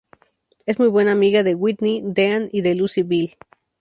Es muy buena amiga de Whitney Dean y de Lucy Beale.